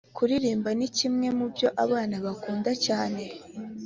kuririmba ni kimwe mu byo abana bakunda cyane,